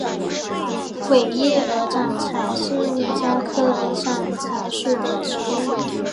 尾叶鹅掌柴是五加科鹅掌柴属的植物。